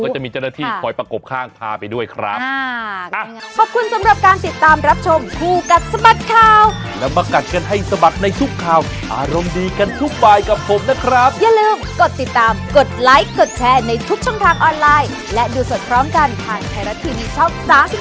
ถ้ามีโอกาสเราไปดูก็จะมีเจ้าหน้าที่คอยประกบข้างพาไปด้วยครับ